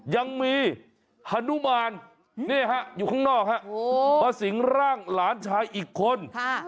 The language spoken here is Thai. ยังมีฮานุมานอยู่ข้างนอกมาสิงร่างหลานชายอีกคน